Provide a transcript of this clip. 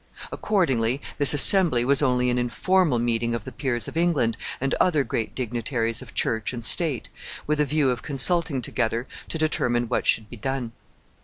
Accordingly, this assembly was only an informal meeting of the peers of England and other great dignitaries of Church and State, with a view of consulting together to determine what should be done.